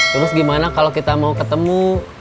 terus gimana kalau kita mau ketemu